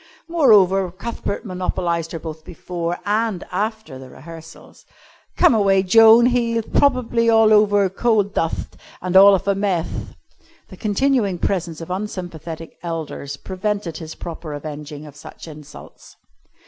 Moreover Cuthbert monopolised her both before and after the rehearsals. "Come away, Joan, he'th prob'bly all over coal dutht and all of a meth." The continued presence of unsympathetic elders prevented his proper avenging of such insults.